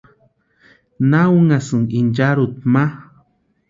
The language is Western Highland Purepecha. ¿Na únhasïnki icharhuta ma?